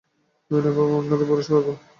বিপিনবাবু, আপনাদের বড়ো সৌভাগ্য!